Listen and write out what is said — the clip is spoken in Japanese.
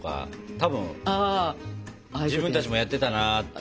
多分自分たちもやってたなって思った。